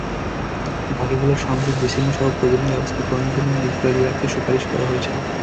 বাকিগুলোর সংযোগ বিচ্ছিন্নসহ প্রয়োজনীয় ব্যবস্থা গ্রহণের জন্য বিক্রয় বিভাগকে সুপারিশ করা হয়েছে।